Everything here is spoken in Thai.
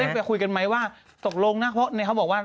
ไปคุยกันไหมว่าตกลงนะเพราะในเขาบอกว่า